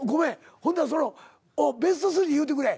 ほんならそのベスト３言うてくれ。